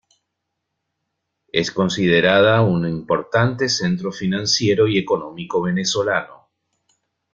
Es considerada un importante centro financiero y económico venezolano.